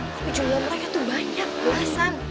tapi jumlah mereka tuh banyak alasan